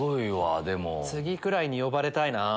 次くらいに呼ばれたいな。